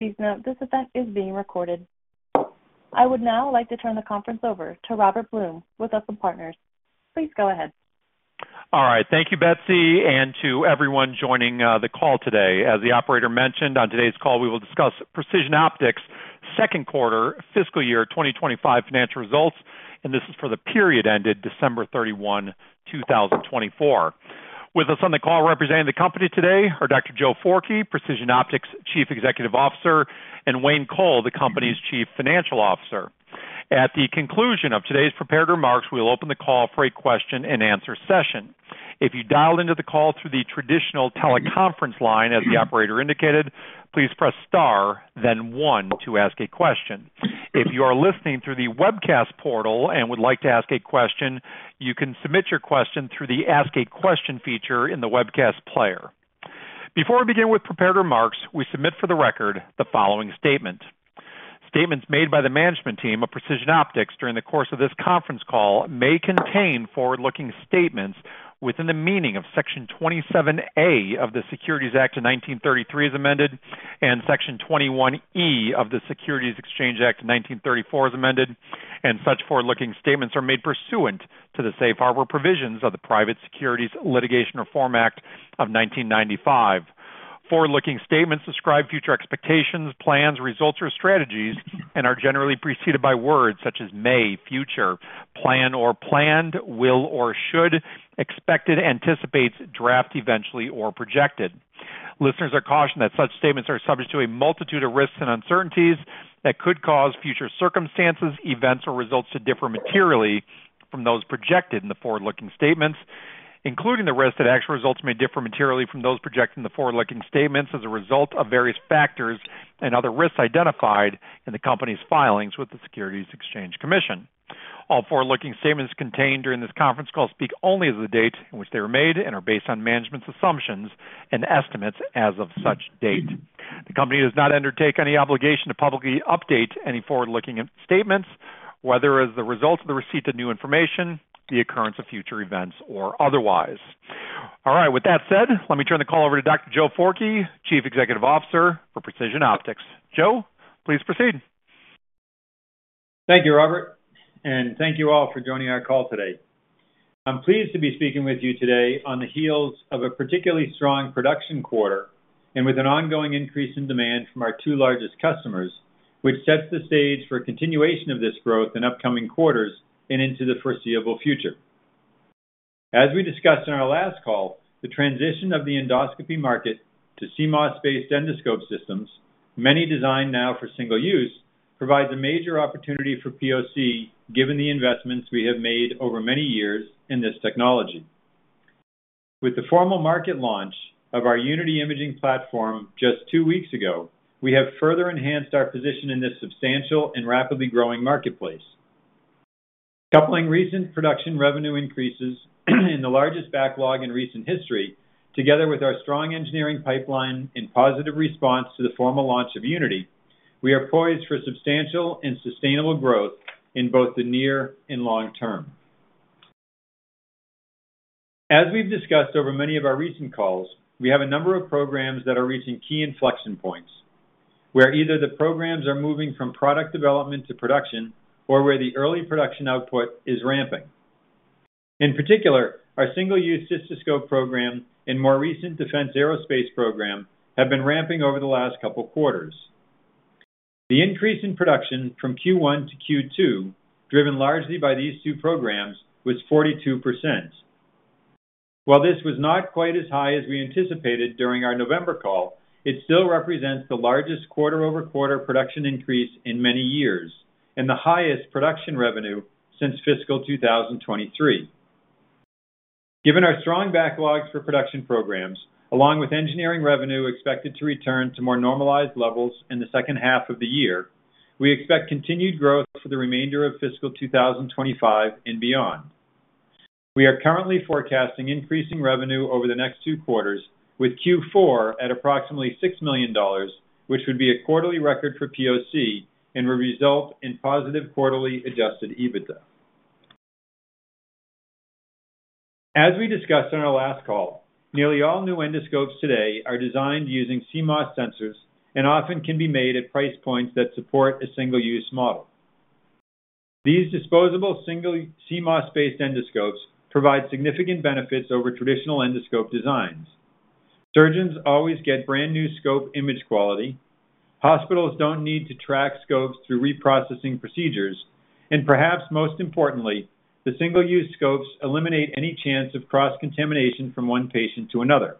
Please note, this event is being recorded. I would now like to turn the conference over to Robert Blum with Lytham Partners. Please go ahead. All right. Thank you, Betsy, and to everyone joining the call today. As the operator mentioned, on today's call, we will discuss Precision Optics' Q2, fiscal year 2025, financial results, and this is for the period ended 31 December, 2024. With us on the call representing the company today are Dr. Joe Forkey, Precision Optics Chief Executive Officer, and Wayne Coll, the company's Chief Financial Officer. At the conclusion of today's prepared remarks, we'll open the call for a question-and-answer session. If you dialed into the call through the traditional teleconference line, as the operator indicated, please press star, then one, to ask a question. If you are listening through the webcast portal and would like to ask a question, you can submit your question through the Ask a Question feature in the webcast player. Before we begin with prepared remarks, we submit for the record the following statement: Statements made by the management team of Precision Optics during the course of this conference call may contain forward-looking statements within the meaning of Section 27A of the Securities Act of 1933 as amended, and Section 21E of the Securities Exchange Act of 1934 as amended, and such forward-looking statements are made pursuant to the safe harbor provisions of the Private Securities Litigation Reform Act of 1995. Forward-looking statements describe future expectations, plans, results, or strategies, and are generally preceded by words such as may, future, plan or planned, will or should, expected, anticipates, draft eventually, or projected. Listeners are cautioned that such statements are subject to a multitude of risks and uncertainties that could cause future circumstances, events, or results to differ materially from those projected in the forward-looking statements, including the risk that actual results may differ materially from those projected in the forward-looking statements as a result of various factors and other risks identified in the company's filings with the Securities and Exchange Commission. All forward-looking statements contained during this conference call speak only as of the date on which they were made and are based on management's assumptions and estimates as of such date. The company does not undertake any obligation to publicly update any forward-looking statements, whether as the result of the receipt of new information, the occurrence of future events, or otherwise. All right. With that said, let me turn the call over to Dr. Joe Forkey, Chief Executive Officer for Precision Optics. Joe, please proceed. Thank you, Robert, and thank you all for joining our call today. I'm pleased to be speaking with you today on the heels of a particularly strong production quarter and with an ongoing increase in demand from our two largest customers, which sets the stage for continuation of this growth in upcoming quarters and into the foreseeable future. As we discussed in our last call, the transition of the endoscopy market to CMOS-based endoscope systems, many designed now for single use, provides a major opportunity for Precision Optics Corporation given the investments we have made over many years in this technology. With the formal market launch of our Unity Imaging Platform just two weeks ago, we have further enhanced our position in this substantial and rapidly growing marketplace. Coupling recent production revenue increases and the largest backlog in recent history, together with our strong engineering pipeline and positive response to the formal launch of Unity, we are poised for substantial and sustainable growth in both the near and long term. As we've discussed over many of our recent calls, we have a number of programs that are reaching key inflection points where either the programs are moving from product development to production or where the early production output is ramping. In particular, our single-use cystoscope program and more recent defense aerospace program have been ramping over the last couple of quarters. The increase in production from Q1 to Q2, driven largely by these two programs, was 42%. While this was not quite as high as we anticipated during our November call, it still represents the largest quarter-over-quarter production increase in many years and the highest production revenue since fiscal 2023. Given our strong backlogs for production programs, along with engineering revenue expected to return to more normalized levels in the second half of the year, we expect continued growth for the remainder of fiscal 2025 and beyond. We are currently forecasting increasing revenue over the next two quarters, with Q4 at approximately $6 million, which would be a quarterly record for Precision Optics Corporation and would result in positive quarterly adjusted EBITDA. As we discussed in our last call, nearly all new endoscopes today are designed using CMOS sensors and often can be made at price points that support a single-use model. These disposable single CMOS-based endoscopes provide significant benefits over traditional endoscope designs. Surgeons always get brand new scope image quality. Hospitals do not need to track scopes through reprocessing procedures. Perhaps most importantly, the single-use scopes eliminate any chance of cross-contamination from one patient to another.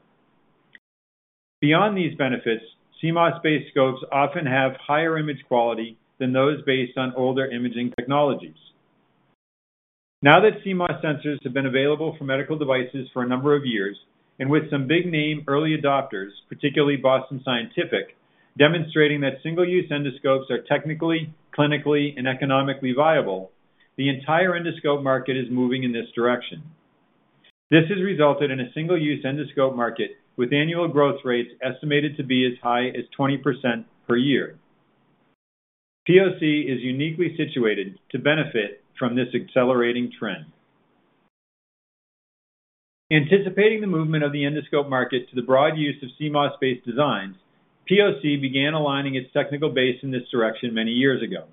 Beyond these benefits, CMOS-based scopes often have higher image quality than those based on older imaging technologies. Now that CMOS sensors have been available for medical devices for a number of years and with some big-name early adopters, particularly Boston Scientific, demonstrating that single-use endoscopes are technically, clinically, and economically viable, the entire endoscope market is moving in this direction. This has resulted in a single-use endoscope market with annual growth rates estimated to be as high as 20% per year. POC is uniquely situated to benefit from this accelerating trend. Anticipating the movement of the endoscope market to the broad use of CMOS-based designs, POC began aligning its technical base in this direction many years ago.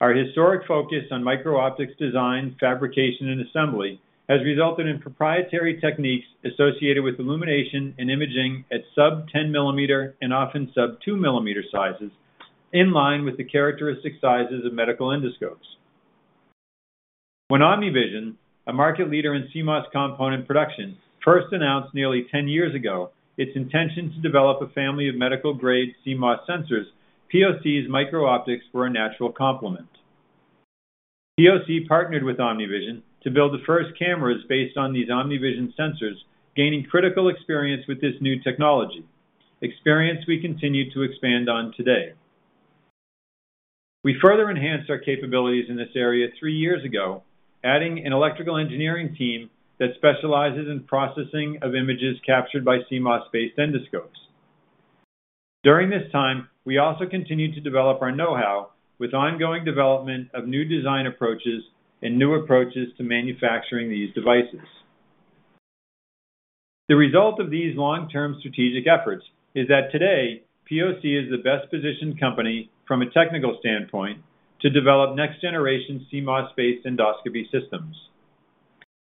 Our historic focus on micro-optics design, fabrication, and assembly has resulted in proprietary techniques associated with illumination and imaging at sub-10-millimeter and often sub-2-millimeter sizes, in line with the characteristic sizes of medical endoscopes. When OmniVision, a market leader in CMOS component production, first announced nearly 10 years ago its intention to develop a family of medical-grade CMOS sensors, POC's micro-optics were a natural complement. POC partnered with OmniVision to build the first cameras based on these OmniVision sensors, gaining critical experience with this new technology, experience we continue to expand on today. We further enhanced our capabilities in this area three years ago, adding an electrical engineering team that specializes in processing of images captured by CMOS-based endoscopes. During this time, we also continued to develop our know-how with ongoing development of new design approaches and new approaches to manufacturing these devices. The result of these long-term strategic efforts is that today, POC is the best-positioned company from a technical standpoint to develop next-generation CMOS-based endoscopy systems.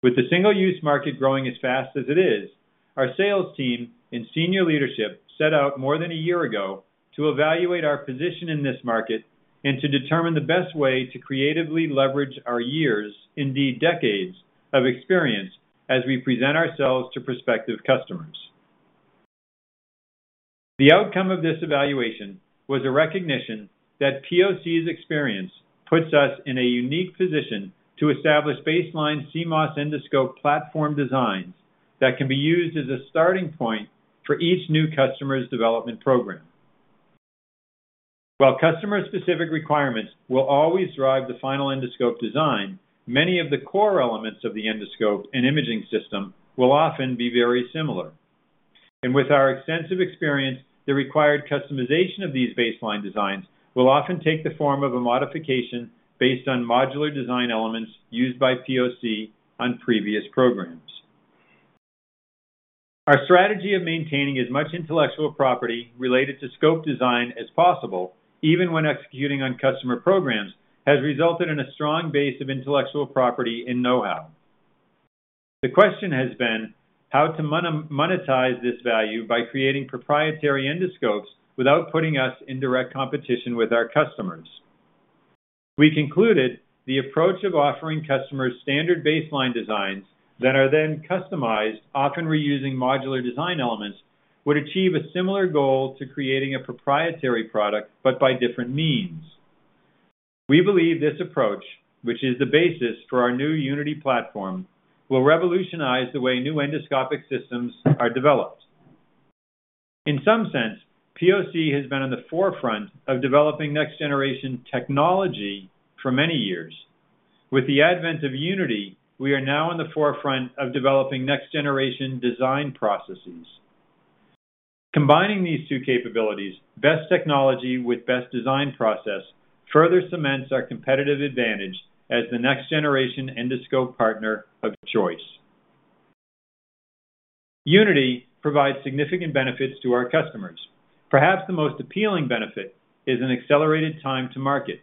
With the single-use market growing as fast as it is, our sales team and senior leadership set out more than a year ago to evaluate our position in this market and to determine the best way to creatively leverage our years, indeed decades, of experience as we present ourselves to prospective customers. The outcome of this evaluation was a recognition that POC's experience puts us in a unique position to establish baseline CMOS endoscope platform designs that can be used as a starting point for each new customer's development program. While customer-specific requirements will always drive the final endoscope design, many of the core elements of the endoscope and imaging system will often be very similar. With our extensive experience, the required customization of these baseline designs will often take the form of a modification based on modular design elements used by Precision Optics Corporation on previous programs. Our strategy of maintaining as much intellectual property related to scope design as possible, even when executing on customer programs, has resulted in a strong base of intellectual property and know-how. The question has been, how to monetize this value by creating proprietary endoscopes without putting us in direct competition with our customers? We concluded the approach of offering customers standard baseline designs that are then customized, often reusing modular design elements, would achieve a similar goal to creating a proprietary product, but by different means. We believe this approach, which is the basis for our new Unity platform, will revolutionize the way new endoscopic systems are developed. In some sense, POC has been on the forefront of developing next-generation technology for many years. With the advent of Unity, we are now on the forefront of developing next-generation design processes. Combining these two capabilities, best technology with best design process, further cements our competitive advantage as the next-generation endoscope partner of choice. Unity provides significant benefits to our customers. Perhaps the most appealing benefit is an accelerated time to market.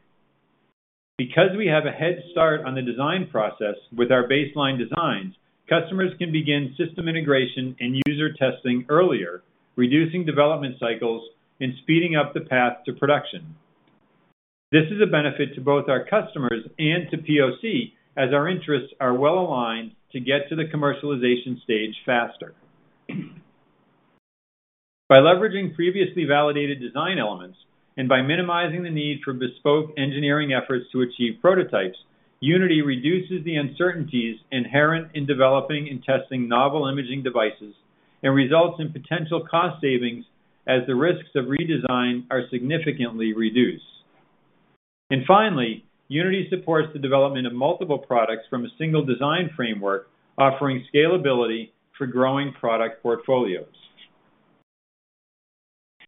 Because we have a head start on the design process with our baseline designs, customers can begin system integration and user testing earlier, reducing development cycles and speeding up the path to production. This is a benefit to both our customers and to POC, as our interests are well aligned to get to the commercialization stage faster. By leveraging previously validated design elements and by minimizing the need for bespoke engineering efforts to achieve prototypes, Unity reduces the uncertainties inherent in developing and testing novel imaging devices and results in potential cost savings as the risks of redesign are significantly reduced. Finally, Unity supports the development of multiple products from a single design framework, offering scalability for growing product portfolios.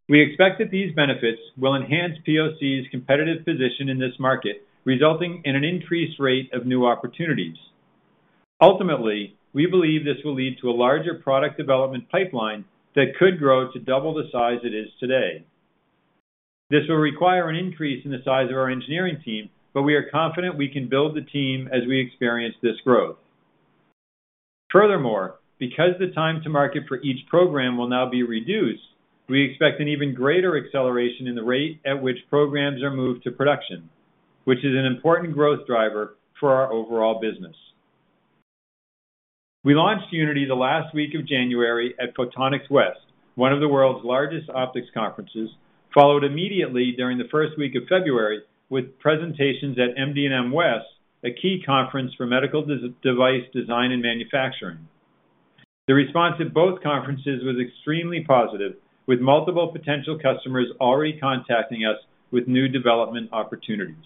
We expect that these benefits will enhance POC's competitive position in this market, resulting in an increased rate of new opportunities. Ultimately, we believe this will lead to a larger product development pipeline that could grow to double the size it is today. This will require an increase in the size of our engineering team, but we are confident we can build the team as we experience this growth. Furthermore, because the time to market for each program will now be reduced, we expect an even greater acceleration in the rate at which programs are moved to production, which is an important growth driver for our overall business. We launched Unity the last week of January at Photonics West, one of the world's largest optics conferences, followed immediately during the first week of February with presentations at MD&M West, a key conference for medical device design and manufacturing. The response at both conferences was extremely positive, with multiple potential customers already contacting us with new development opportunities.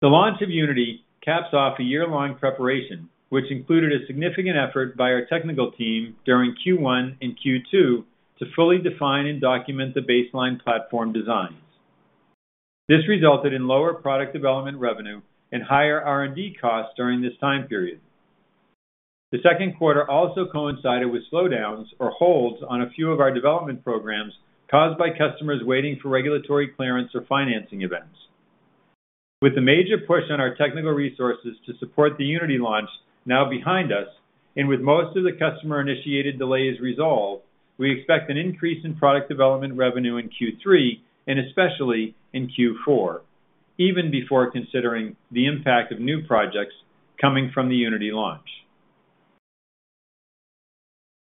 The launch of Unity caps off a year-long preparation, which included a significant effort by our technical team during Q1 and Q2 to fully define and document the baseline platform designs. This resulted in lower product development revenue and higher R&D costs during this time period. The Q2 also coincided with slowdowns or holds on a few of our development programs caused by customers waiting for regulatory clearance or financing events. With the major push on our technical resources to support the Unity launch now behind us and with most of the customer-initiated delays resolved, we expect an increase in product development revenue in Q3 and especially in Q4, even before considering the impact of new projects coming from the Unity launch.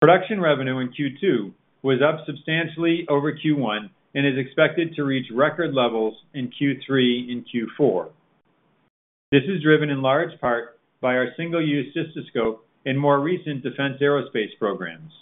Production revenue in Q2 was up substantially over Q1 and is expected to reach record levels in Q3 and Q4. This is driven in large part by our single-use cystoscope and more recent defense aerospace programs.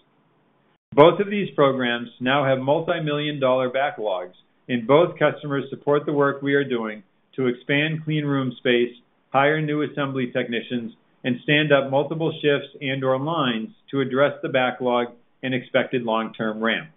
Both of these programs now have multi-million-dollar backlogs, and both customers support the work we are doing to expand clean room space, hire new assembly technicians, and stand up multiple shifts and/or lines to address the backlog and expected long-term ramp.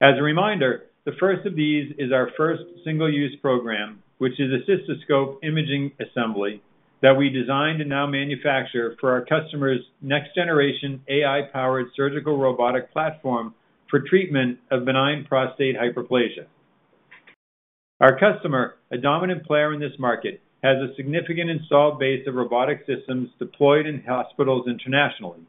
As a reminder, the first of these is our first single-use program, which is a cystoscope imaging assembly that we designed and now manufacture for our customers' next-generation AI-powered surgical robotic platform for treatment of benign prostate hyperplasia. Our customer, a dominant player in this market, has a significant installed base of robotic systems deployed in hospitals internationally.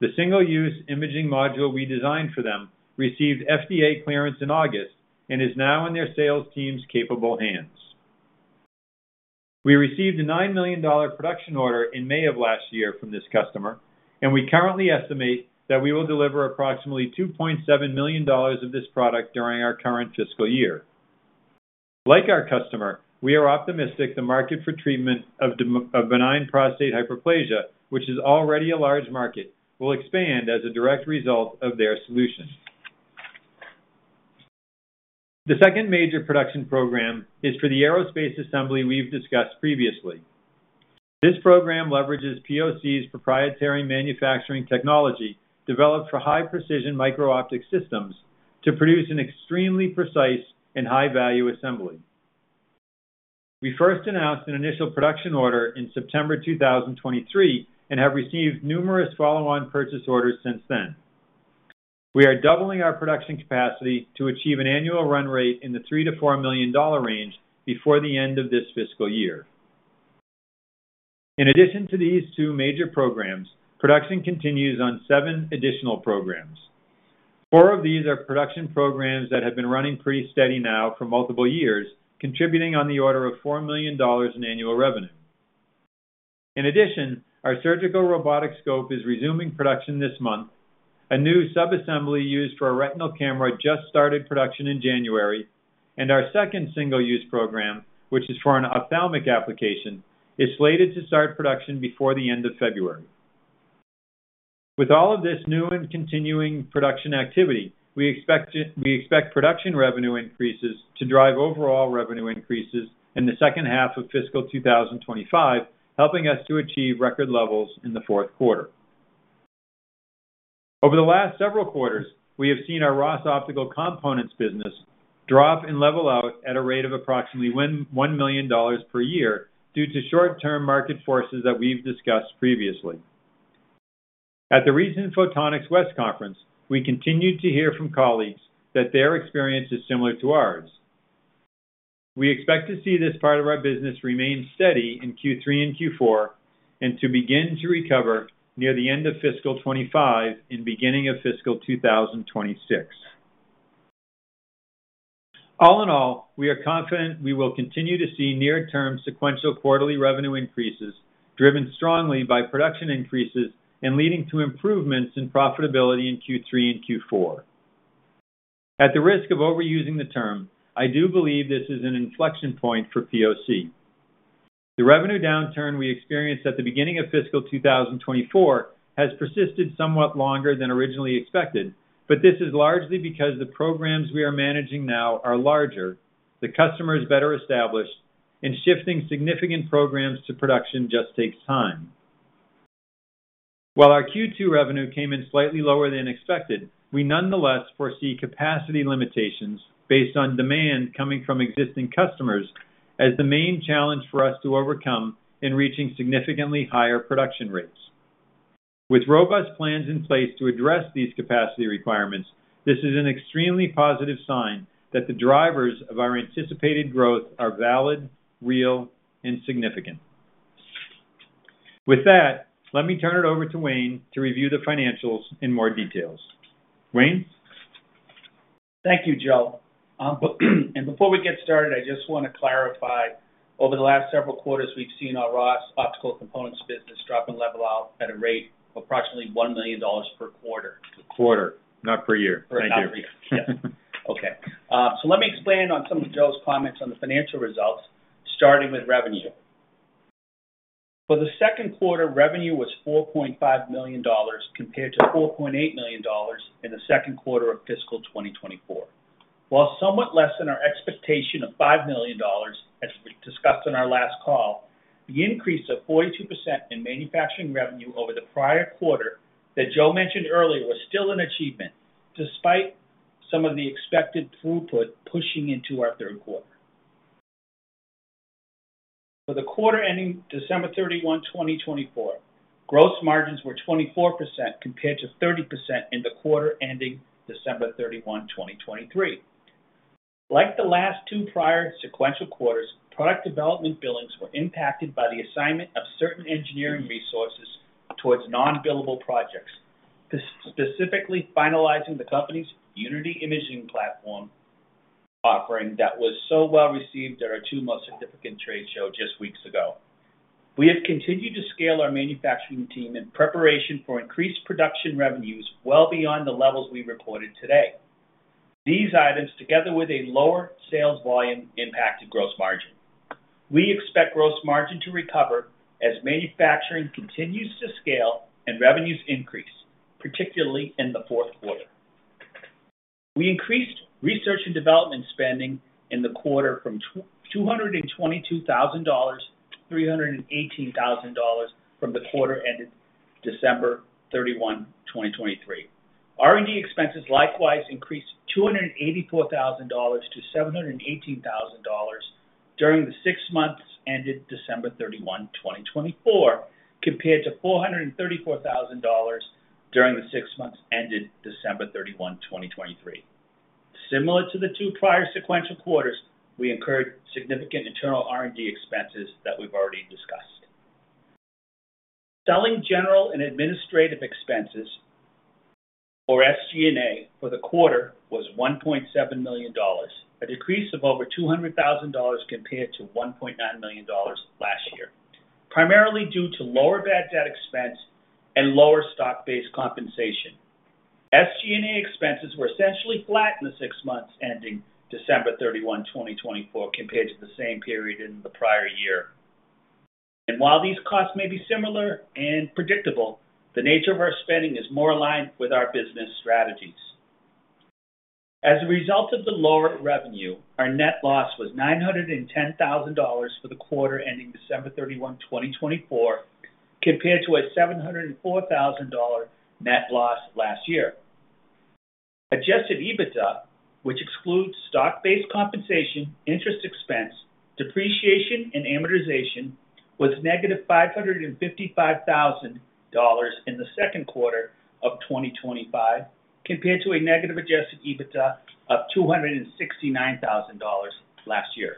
The single-use imaging module we designed for them received FDA clearance in August and is now in their sales team's capable hands. We received a $9 million production order in May of last year from this customer, and we currently estimate that we will deliver approximately $2.7 million of this product during our current fiscal year. Like our customer, we are optimistic the market for treatment of benign prostate hyperplasia, which is already a large market, will expand as a direct result of their solutions. The second major production program is for the aerospace assembly we have discussed previously. This program leverages POC's proprietary manufacturing technology developed for high-precision micro-optics systems to produce an extremely precise and high-value assembly. We first announced an initial production order in September 2023 and have received numerous follow-on purchase orders since then. We are doubling our production capacity to achieve an annual run rate in the $3-$4 million range before the end of this fiscal year. In addition to these two major programs, production continues on seven additional programs. Four of these are production programs that have been running pretty steady now for multiple years, contributing on the order of $4 million in annual revenue. In addition, our surgical robotic scope is resuming production this month. A new sub-assembly used for a retinal camera just started production in January, and our second single-use program, which is for an ophthalmic application, is slated to start production before the end of February. With all of this new and continuing production activity, we expect production revenue increases to drive overall revenue increases in the second half of fiscal 2025, helping us to achieve record levels in the Q4. Over the last several quarters, we have seen our Ross Optical components business drop and level out at a rate of approximately $1 million per year due to short-term market forces that we've discussed previously. At the recent Photonics West conference, we continued to hear from colleagues that their experience is similar to ours. We expect to see this part of our business remain steady in Q3 and Q4 and to begin to recover near the end of fiscal 2025 and beginning of fiscal 2026. All in all, we are confident we will continue to see near-term sequential quarterly revenue increases driven strongly by production increases and leading to improvements in profitability in Q3 and Q4. At the risk of overusing the term, I do believe this is an inflection point for POC. The revenue downturn we experienced at the beginning of fiscal 2024 has persisted somewhat longer than originally expected, but this is largely because the programs we are managing now are larger, the customers better established, and shifting significant programs to production just takes time. While our Q2 revenue came in slightly lower than expected, we nonetheless foresee capacity limitations based on demand coming from existing customers as the main challenge for us to overcome in reaching significantly higher production rates. With robust plans in place to address these capacity requirements, this is an extremely positive sign that the drivers of our anticipated growth are valid, real, and significant. With that, let me turn it over to Wayne to review the financials in more detail. Wayne? Thank you, Joe. Before we get started, I just want to clarify, over the last several quarters, we've seen our Ross Optical components business drop and level out at a rate of approximately $1 million per quarter. Per quarter, not per year. Thank you. Per quarter, not per year. Yes. Okay. Let me expand on some of Joe's comments on the financial results, starting with revenue. For the Q2, revenue was $4.5 million compared to $4.8 million in Q2 of fiscal 2024. While somewhat less than our expectation of $5 million, as we discussed on our last call, the increase of 42% in manufacturing revenue over the prior quarter that Joe mentioned earlier was still an achievement, despite some of the expected throughput pushing into our Q3. For Q4, 2024, gross margins were 24% compared to 30% in the Q4, 2023. Like the last two prior sequential quarters, product development billings were impacted by the assignment of certain engineering resources towards non-billable projects, specifically finalizing the company's Unity imaging platform offering that was so well received at our two most significant trade shows just weeks ago. We have continued to scale our manufacturing team in preparation for increased production revenues well beyond the levels we reported today. These items, together with a lower sales volume, impacted gross margin. We expect gross margin to recover as manufacturing continues to scale and revenues increase, particularly in the Q4. We increased research and development spending in the quarter from $222,000 to $318,000 from the Q4, 2023. R&D expenses likewise increased $284,000 to $718,000 during the six months ended 31 December, 2024, compared to $434,000 during the six months ended 31 December, 2023. Similar to the two prior sequential quarters, we incurred significant internal R&D expenses that we've already discussed. Selling, general and administrative expenses, or SG&A, for the quarter was $1.7 million, a decrease of over $200,000 compared to $1.9 million last year, primarily due to lower bad debt expense and lower stock-based compensation. SG&A expenses were essentially flat in the six months ending 31 December, 2024, compared to the same period in the prior year. While these costs may be similar and predictable, the nature of our spending is more aligned with our business strategies. As a result of the lower revenue, our net loss was $910,000 for Q4, 2024, compared to a $704,000 net loss last year. Adjusted EBITDA, which excludes stock-based compensation, interest expense, depreciation, and amortization, was negative $555,000 in Q2 of 2025, compared to a negative adjusted EBITDA of $269,000 last year.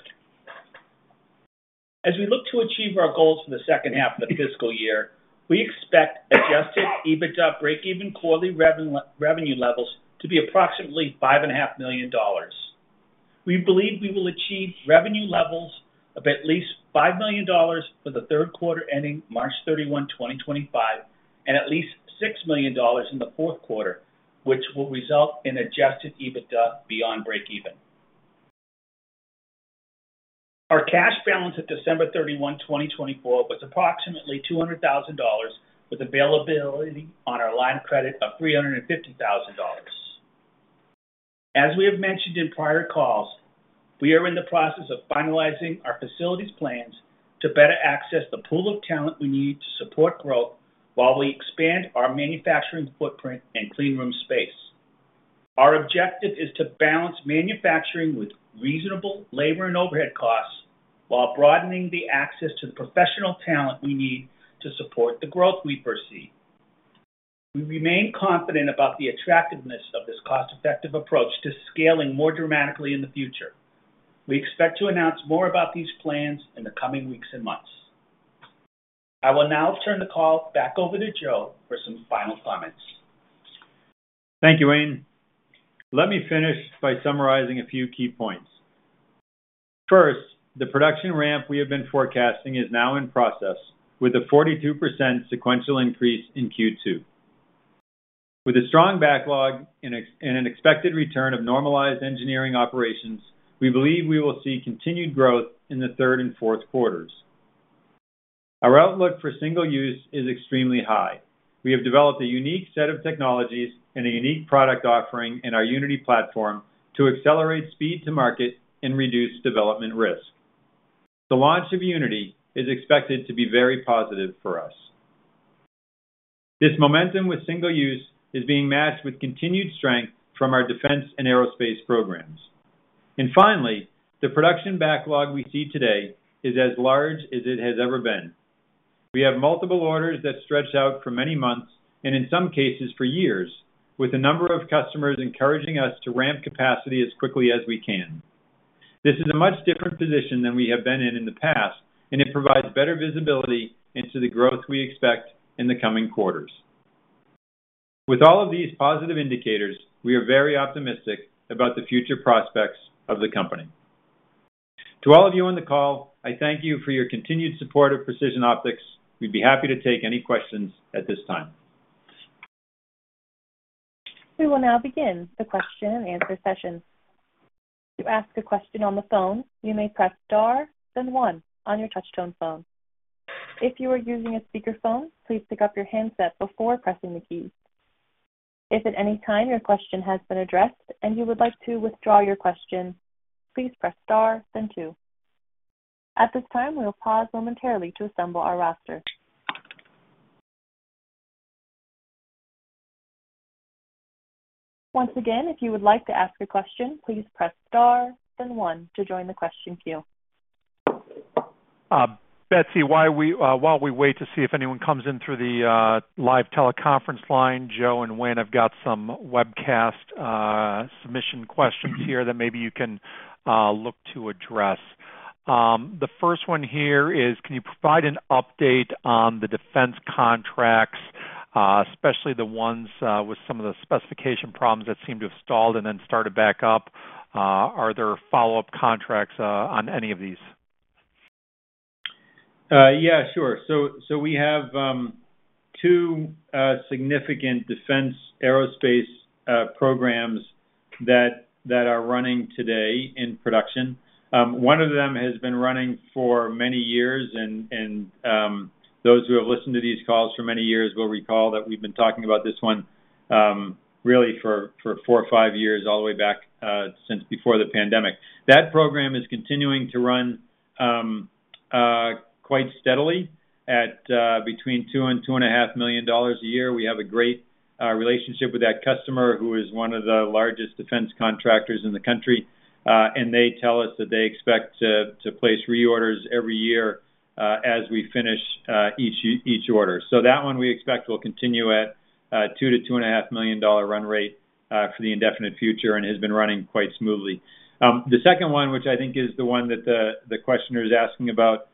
As we look to achieve our goals for the second half of the fiscal year, we expect adjusted EBITDA break-even quarterly revenue levels to be approximately $5.5 million. We believe we will achieve revenue levels of at least $5 million for the Q3 ending 31 March, 2025, and at least $6 million in the Q4, which will result in adjusted EBITDA beyond break-even. Our cash balance at 31 December 2024, was approximately $200,000, with availability on our line of credit of $350,000. As we have mentioned in prior calls, we are in the process of finalizing our facilities plans to better access the pool of talent we need to support growth while we expand our manufacturing footprint and clean room space. Our objective is to balance manufacturing with reasonable labor and overhead costs while broadening the access to the professional talent we need to support the growth we foresee. We remain confident about the attractiveness of this cost-effective approach to scaling more dramatically in the future. We expect to announce more about these plans in the coming weeks and months. I will now turn the call back over to Joe for some final comments. Thank you, Wayne. Let me finish by summarizing a few key points. First, the production ramp we have been forecasting is now in process, with a 42% sequential increase in Q2. With a strong backlog and an expected return of normalized engineering operations, we believe we will see continued growth in the Q3 and Q4. Our outlook for single use is extremely high. We have developed a unique set of technologies and a unique product offering in our Unity platform to accelerate speed to market and reduce development risk. The launch of Unity is expected to be very positive for us. This momentum with single use is being matched with continued strength from our defense and aerospace programs. Finally, the production backlog we see today is as large as it has ever been. We have multiple orders that stretch out for many months and, in some cases, for years, with a number of customers encouraging us to ramp capacity as quickly as we can. This is a much different position than we have been in in the past, and it provides better visibility into the growth we expect in the coming quarters. With all of these positive indicators, we are very optimistic about the future prospects of the company. To all of you on the call, I thank you for your continued support of Precision Optics. We'd be happy to take any questions at this time. We will now begin the question and answer session. To ask a question on the phone, you may press star, then one on your touch-tone phone. If you are using a speakerphone, please pick up your handset before pressing the keys. If at any time your question has been addressed and you would like to withdraw your question, please press star, then two. At this time, we will pause momentarily to assemble our roster. Once again, if you would like to ask a question, please press star, then one to join the question queue. Betsy, while we wait to see if anyone comes in through the live teleconference line, Joe and Wayne have got some webcast submission questions here that maybe you can look to address. The first one here is, can you provide an update on the defense contracts, especially the ones with some of the specification problems that seem to have stalled and then started back up? Are there follow-up contracts on any of these? Yeah, sure. So we have two significant defense aerospace programs that are running today in production. One of them has been running for many years, and those who have listened to these calls for many years will recall that we've been talking about this one really for four or five years, all the way back since before the pandemic. That program is continuing to run quite steadily at between $2 million and $2.5 million a year. We have a great relationship with that customer who is one of the largest defense contractors in the country, and they tell us that they expect to place reorders every year as we finish each order. That one we expect will continue at $2 million-$2.5 million run rate for the indefinite future and has been running quite smoothly. The second one, which I think is the one that the questioner is asking about,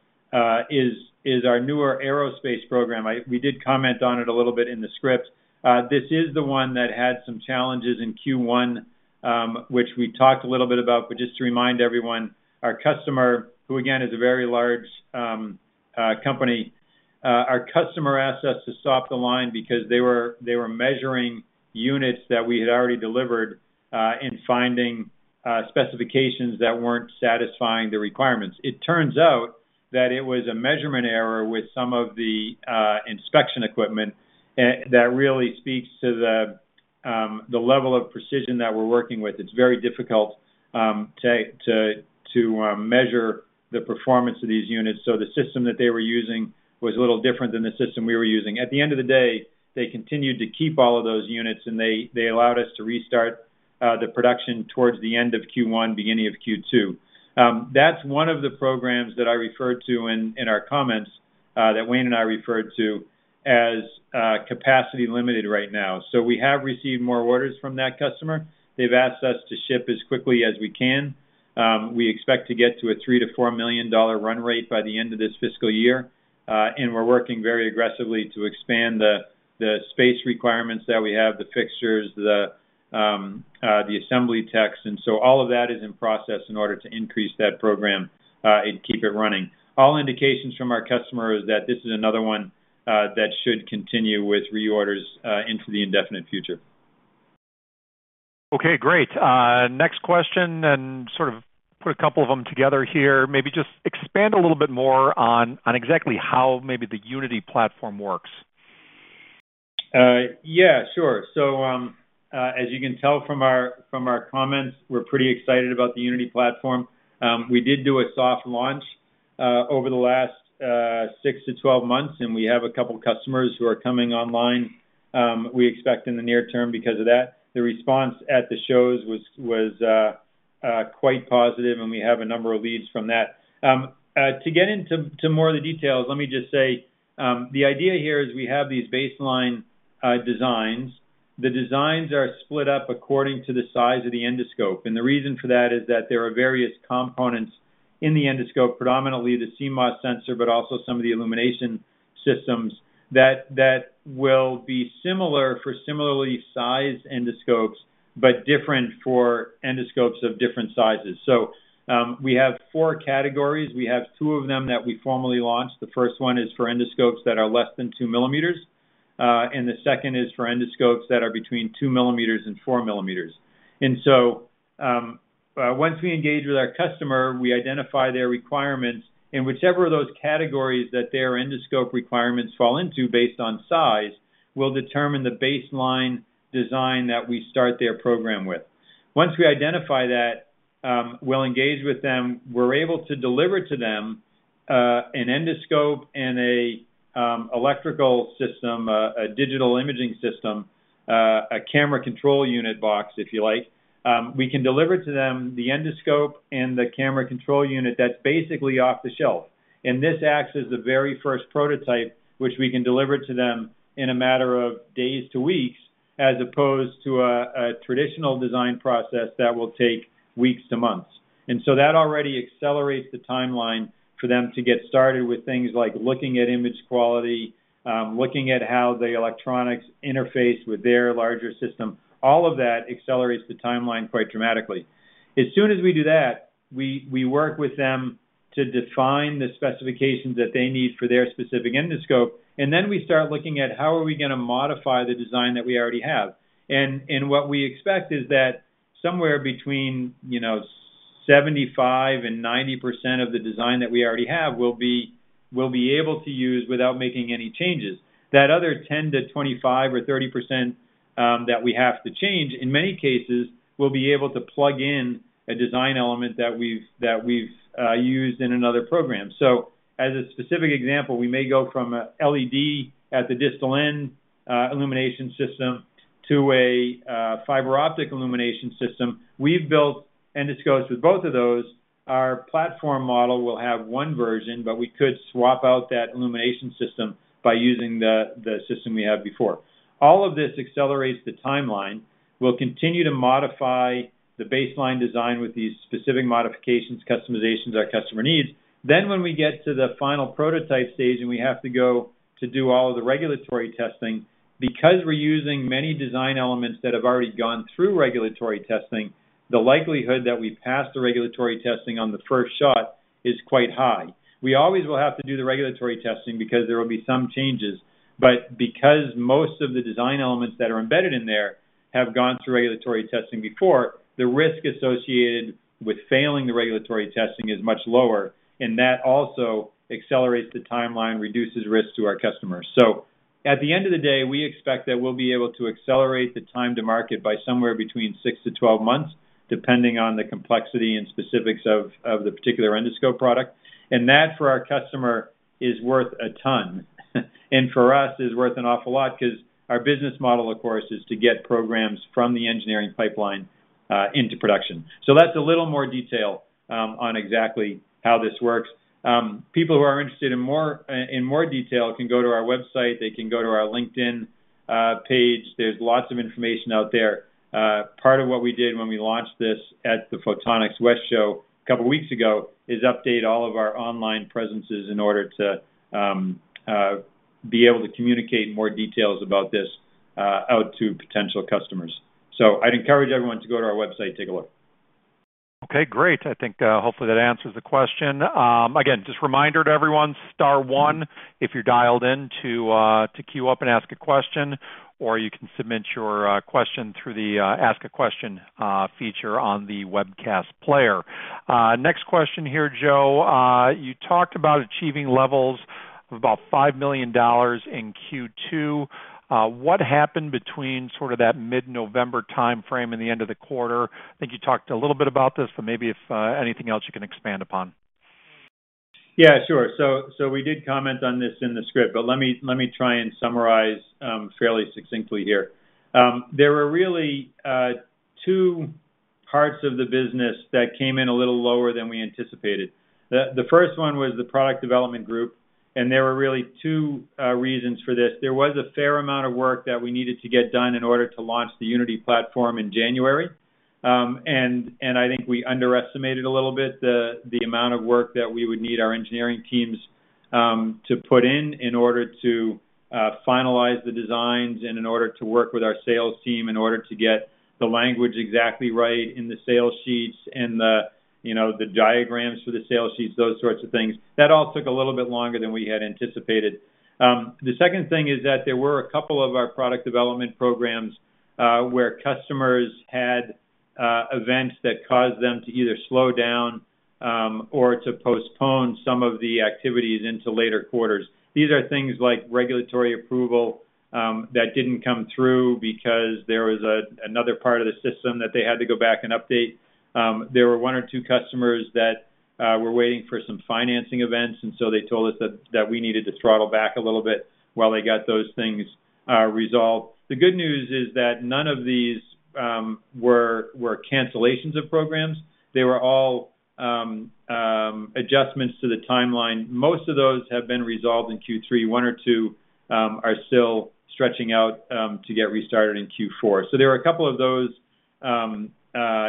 is our newer aerospace program. We did comment on it a little bit in the script. This is the one that had some challenges in Q1, which we talked a little bit about. Just to remind everyone, our customer, who again is a very large company, our customer asked us to swap the line because they were measuring units that we had already delivered and finding specifications that were not satisfying the requirements. It turns out that it was a measurement error with some of the inspection equipment that really speaks to the level of precision that we're working with. It's very difficult to measure the performance of these units. The system that they were using was a little different than the system we were using. At the end of the day, they continued to keep all of those units, and they allowed us to restart the production towards the end of Q1, beginning of Q2. That's one of the programs that I referred to in our comments that Wayne and I referred to as capacity limited right now. We have received more orders from that customer. They've asked us to ship as quickly as we can. We expect to get to a $3-$4 million run rate by the end of this fiscal year. We are working very aggressively to expand the space requirements that we have, the fixtures, the assembly techs. All of that is in process in order to increase that program and keep it running. All indications from our customer is that this is another one that should continue with reorders into the indefinite future. Okay, great. Next question, and sort of put a couple of them together here. Maybe just expand a little bit more on exactly how maybe the Unity platform works. Yeah, sure. As you can tell from our comments, we're pretty excited about the Unity platform. We did do a soft launch over the last 6 to 12 months, and we have a couple of customers who are coming online. We expect in the near term because of that. The response at the shows was quite positive, and we have a number of leads from that. To get into more of the details, let me just say the idea here is we have these baseline designs. The designs are split up according to the size of the endoscope. The reason for that is that there are various components in the endoscope, predominantly the CMOS sensor, but also some of the illumination systems that will be similar for similarly sized endoscopes, but different for endoscopes of different sizes. We have four categories. We have two of them that we formally launched. The first one is for endoscopes that are less than 2 millimeters, and the second is for endoscopes that are between 2 millimeters and 4 millimeters. Once we engage with our customer, we identify their requirements, and whichever of those categories that their endoscope requirements fall into based on size will determine the baseline design that we start their program with. Once we identify that, we will engage with them. We are able to deliver to them an endoscope and an electrical system, a digital imaging system, a camera control unit box, if you like. We can deliver to them the endoscope and the camera control unit that is basically off the shelf. This acts as the very first prototype, which we can deliver to them in a matter of days to weeks, as opposed to a traditional design process that will take weeks to months. That already accelerates the timeline for them to get started with things like looking at image quality, looking at how the electronics interface with their larger system. All of that accelerates the timeline quite dramatically. As soon as we do that, we work with them to define the specifications that they need for their specific endoscope. We start looking at how we are going to modify the design that we already have. What we expect is that somewhere between 75% and 90% of the design that we already have will be able to use without making any changes. That other 10%-25% or 30% that we have to change, in many cases, will be able to plug in a design element that we've used in another program. As a specific example, we may go from an LED at the distal end illumination system to a fiber optic illumination system. We've built endoscopes with both of those. Our platform model will have one version, but we could swap out that illumination system by using the system we had before. All of this accelerates the timeline. We'll continue to modify the baseline design with these specific modifications, customizations, our customer needs. When we get to the final prototype stage and we have to go to do all of the regulatory testing, because we're using many design elements that have already gone through regulatory testing, the likelihood that we pass the regulatory testing on the first shot is quite high. We always will have to do the regulatory testing because there will be some changes. Because most of the design elements that are embedded in there have gone through regulatory testing before, the risk associated with failing the regulatory testing is much lower, and that also accelerates the timeline, reduces risk to our customers. At the end of the day, we expect that we'll be able to accelerate the time to market by somewhere between 6-12 months, depending on the complexity and specifics of the particular endoscope product. That for our customer is worth a ton. For us, it's worth an awful lot because our business model, of course, is to get programs from the engineering pipeline into production. That's a little more detail on exactly how this works. People who are interested in more detail can go to our website. They can go to our LinkedIn page. There's lots of information out there. Part of what we did when we launched this at the Photonics West Show a couple of weeks ago is update all of our online presences in order to be able to communicate more details about this out to potential customers. I'd encourage everyone to go to our website and take a look. Okay, great. I think hopefully that answers the question. Again, just reminder to everyone, star one if you're dialed in to queue up and ask a question, or you can submit your question through the ask a question feature on the webcast player. Next question here, Joe. You talked about achieving levels of about $5 million in Q2. What happened between sort of that mid-November timeframe and the end of the quarter? I think you talked a little bit about this, but maybe if anything else you can expand upon. Yeah, sure. We did comment on this in the script, but let me try and summarize fairly succinctly here. There were really two parts of the business that came in a little lower than we anticipated. The first one was the product development group, and there were really two reasons for this. There was a fair amount of work that we needed to get done in order to launch the Unity platform in January. I think we underestimated a little bit the amount of work that we would need our engineering teams to put in in order to finalize the designs and in order to work with our sales team in order to get the language exactly right in the sales sheets and the diagrams for the sales sheets, those sorts of things. That all took a little bit longer than we had anticipated. The second thing is that there were a couple of our product development programs where customers had events that caused them to either slow down or to postpone some of the activities into later quarters. These are things like regulatory approval that did not come through because there was another part of the system that they had to go back and update. There were one or two customers that were waiting for some financing events, and they told us that we needed to throttle back a little bit while they got those things resolved. The good news is that none of these were cancellations of programs. They were all adjustments to the timeline. Most of those have been resolved in Q3. One or two are still stretching out to get restarted in Q4. There were a couple of those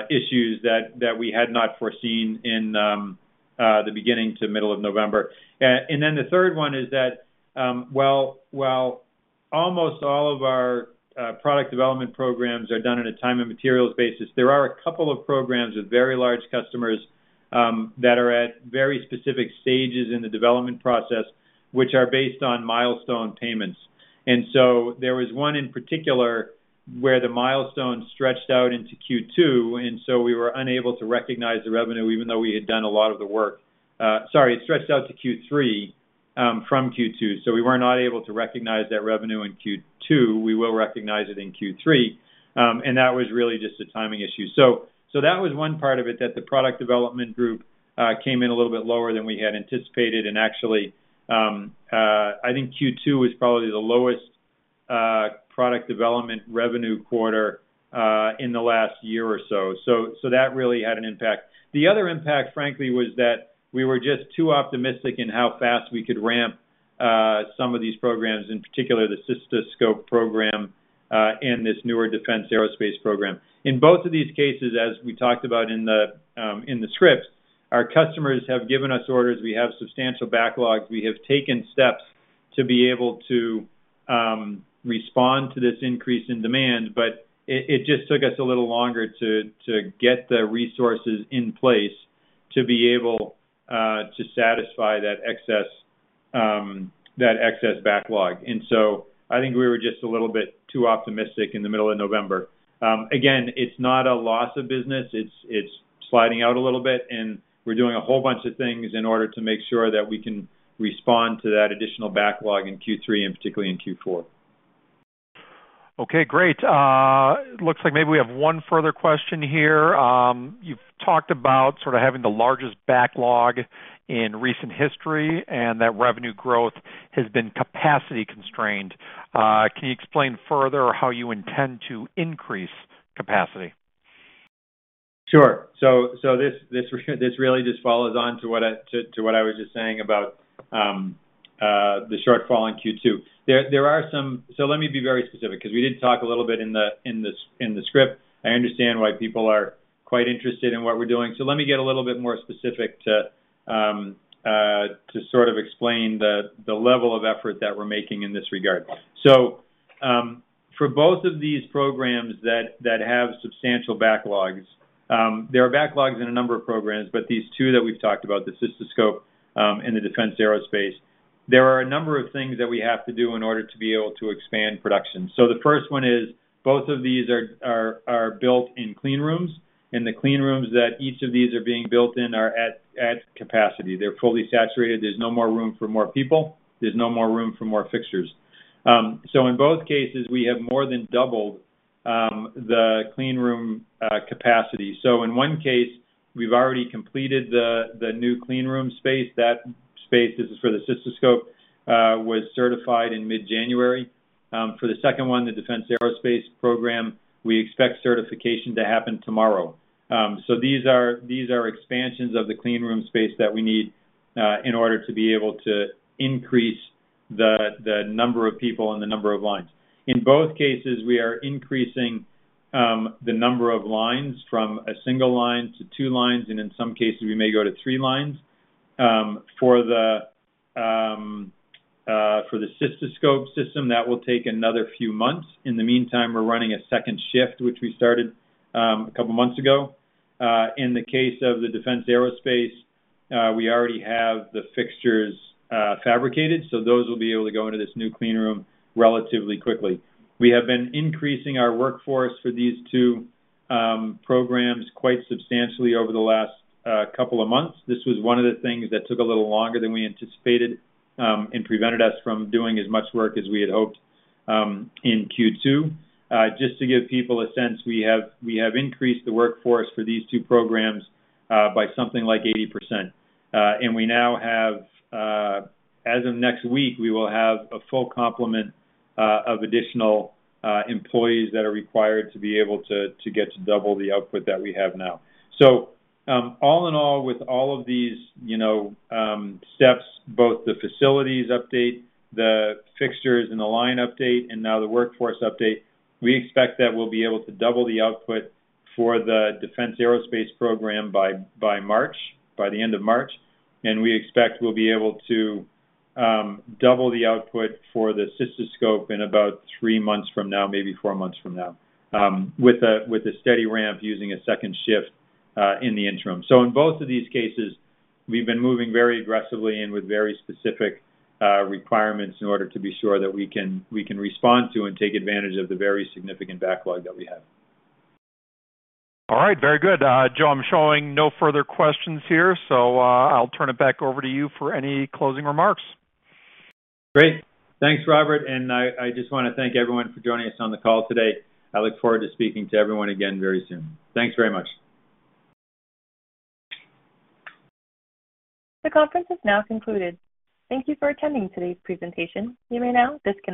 issues that we had not foreseen in the beginning to middle of November. The third one is that while almost all of our product development programs are done on a time and materials basis, there are a couple of programs with very large customers that are at very specific stages in the development process, which are based on milestone payments. There was one in particular where the milestone stretched out into Q2, and we were unable to recognize the revenue even though we had done a lot of the work. Sorry, it stretched out to Q3 from Q2. We were not able to recognize that revenue in Q2. We will recognize it in Q3. That was really just a timing issue. That was one part of it that the product development group came in a little bit lower than we had anticipated. Actually, I think Q2 was probably the lowest product development revenue quarter in the last year or so. That really had an impact. The other impact, frankly, was that we were just too optimistic in how fast we could ramp some of these programs, in particular the single-use cystoscope program and this newer defense aerospace program. In both of these cases, as we talked about in the script, our customers have given us orders. We have substantial backlogs. We have taken steps to be able to respond to this increase in demand, but it just took us a little longer to get the resources in place to be able to satisfy that excess backlog. I think we were just a little bit too optimistic in the middle of November. Again, it's not a loss of business. It's sliding out a little bit, and we're doing a whole bunch of things in order to make sure that we can respond to that additional backlog in Q3 and particularly in Q4. Okay, great. Looks like maybe we have one further question here. You've talked about sort of having the largest backlog in recent history and that revenue growth has been capacity constrained. Can you explain further how you intend to increase capacity? Sure. This really just follows on to what I was just saying about the shortfall in Q2. There are some—let me be very specific because we did talk a little bit in the script. I understand why people are quite interested in what we're doing. Let me get a little bit more specific to sort of explain the level of effort that we're making in this regard. For both of these programs that have substantial backlogs, there are backlogs in a number of programs, but these two that we've talked about, the single-use cystoscope and the defense aerospace, there are a number of things that we have to do in order to be able to expand production. The first one is both of these are built in clean rooms, and the clean rooms that each of these are being built in are at capacity. They're fully saturated. There's no more room for more people. There's no more room for more fixtures. In both cases, we have more than doubled the clean room capacity. In one case, we've already completed the new clean room space. That space, this is for the single-use cystoscope, was certified in mid-January. For the second one, the defense aerospace program, we expect certification to happen tomorrow. These are expansions of the clean room space that we need in order to be able to increase the number of people and the number of lines. In both cases, we are increasing the number of lines from a single line to two lines, and in some cases, we may go to three lines. For the cystoscope system, that will take another few months. In the meantime, we're running a second shift, which we started a couple of months ago. In the case of the defense aerospace, we already have the fixtures fabricated, so those will be able to go into this new clean room relatively quickly. We have been increasing our workforce for these two programs quite substantially over the last couple of months. This was one of the things that took a little longer than we anticipated and prevented us from doing as much work as we had hoped in Q2. Just to give people a sense, we have increased the workforce for these two programs by something like 80%. We now have, as of next week, a full complement of additional employees that are required to be able to get to double the output that we have now. All in all, with all of these steps, both the facilities update, the fixtures and the line update, and now the workforce update, we expect that we'll be able to double the output for the defense aerospace program by March, by the end of March. We expect we'll be able to double the output for the cystoscope in about three months from now, maybe four months from now, with a steady ramp using a second shift in the interim. In both of these cases, we've been moving very aggressively and with very specific requirements in order to be sure that we can respond to and take advantage of the very significant backlog that we have. All right. Very good. Joe, I'm showing no further questions here, so I'll turn it back over to you for any closing remarks. Great. Thanks, Robert. I just want to thank everyone for joining us on the call today. I look forward to speaking to everyone again very soon. Thanks very much. The conference is now concluded. Thank you for attending today's presentation. You may now disconnect.